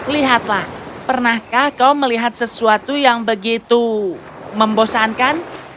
lihatlah pernahkah kau melihat sesuatu yang begitu membosankan